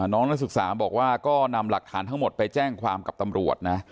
นักศึกษาบอกว่าก็นำหลักฐานทั้งหมดไปแจ้งความกับตำรวจนะ